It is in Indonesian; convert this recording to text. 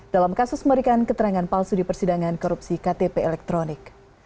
dalam kasus memberikan keterangan palsu di persidangan korupsi ktp elektronik